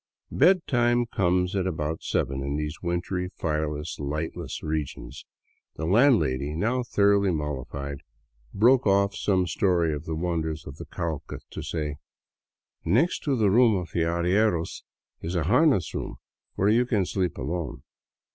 Bedtime comes at about seven in these wintry, fireless, llghtless regions. The landlady, now thoroughly mollified, broke off some story of the wonders of the Cauca to say :" Next to the room of the arrieros is a harness room where you can sleep alone.